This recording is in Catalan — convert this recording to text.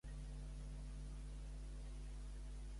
Com es deien els sacerdots d'allà?